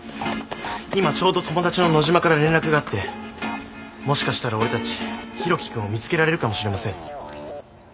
今ちょうど友達の野嶋から連絡があってもしかしたら俺たち博喜くんを見つけられるかもしれません。